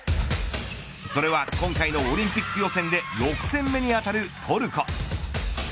それは今回のオリンピック予選で６戦目にあたるトルコ。